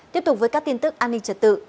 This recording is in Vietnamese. tiếp tục với các tin tức an ninh trật tự